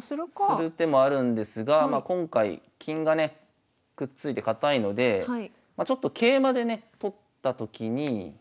する手もあるんですが今回金がねくっついて堅いのでちょっと桂馬でね取ったときに。